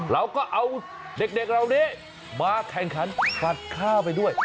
เราก็เอาเด็กเหล่านี้มาแข่งขันผัดข้าวไปด้วย